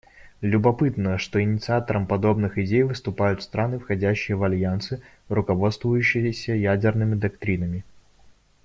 Любопытно, что инициаторами подобных идей выступают страны, входящие в альянсы, руководствующиеся ядерными доктринами.